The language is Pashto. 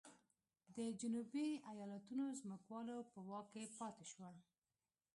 د جنوبي ایالتونو ځمکوالو په واک کې پاتې شول.